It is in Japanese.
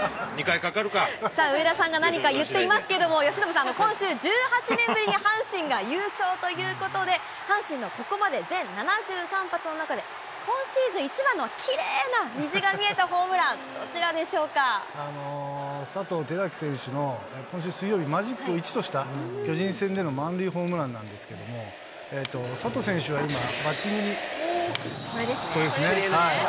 さあ、上田さんが何か言っていますけれども、由伸さん、今週、１８年ぶりに阪神が優勝ということで、阪神のここまで全７３発の中で、今シーズン一番のきれいな虹が見えたホームラン、どちらでしょう佐藤輝明選手の今週水曜日、マジック１とした巨人戦での満塁ホームランなんですけれども、佐藤選手は今、バッティングに、これですね。